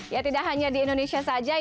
ya tidak hanya di indonesia saja